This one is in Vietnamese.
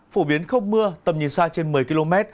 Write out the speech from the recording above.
phổ biến không mưa tầm nhìn xa trên một mươi km